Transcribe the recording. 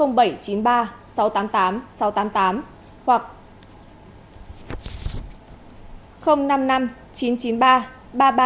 nếu hết thời hạn điều tra nhưng người bị hại không đến làm việc phối hợp cung cấp thông tin tài liệu